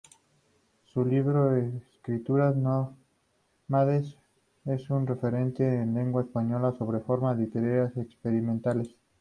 Su libro "Escrituras Nómades" es un referente en lengua española sobre formas literarias experimentales.